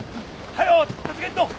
早う助けんと。